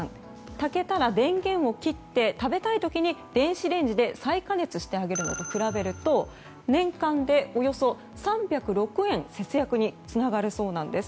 炊けたら、電源を切って食べたい時に電子レンジで再加熱してあげるのと比べると年間で、およそ３０６円節約につながるそうなんです。